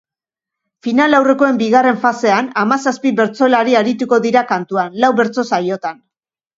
Finalaurrekoen bigarren fasean, hamazazpi bertsolari arituko dira kantuan, lau bertso saiotan.